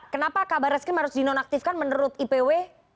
kenapa kabar reskrim harus dinonaktifkan menurut ipw